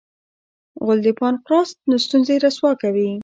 غول د پانقراس ستونزې رسوا کوي.